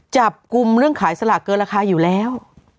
จับกลุ่มเรื่องขายสลากเกินราคาอยู่แล้ว